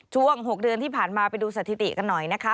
ช่วง๖เดือนที่ผ่านมาไปดูสถิติกันหน่อยนะคะ